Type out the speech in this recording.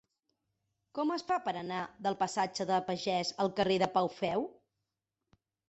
Com es fa per anar del passatge de Pagès al carrer de Pau Feu?